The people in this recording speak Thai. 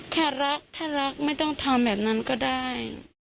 แค่รักถ้ารักไม่ต้องทำแบบนั้นก็ได้